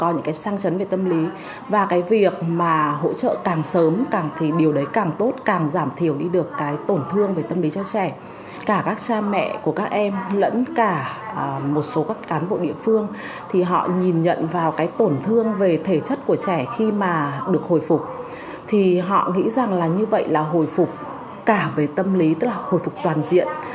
như vậy là hồi phục cả về tâm lý tức là hồi phục toàn diện